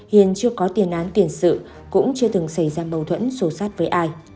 hiền chưa có tiền án tiền sự cũng chưa từng xảy ra mâu thuẫn xô xát với ai